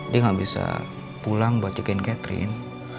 dia gak bisa pulang buat jagain catherine